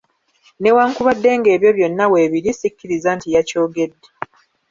Newankubadde nga ebyo byonna weebiri sikkiriza nti yakyogedde.